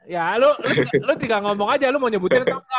ya lu tinggal ngomong aja lu mau nyebutin tau lah